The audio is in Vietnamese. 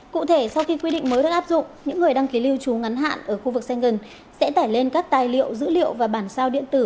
cụ thể sau khi quy định mới được áp dụng những người đăng ký lưu trú ngắn hạn ở khu vực sengen sẽ tải lên các tài liệu dữ liệu và bản sao điện tử